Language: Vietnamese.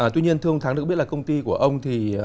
tuy nhiên thưa ông thắng được biết là công ty của ông thì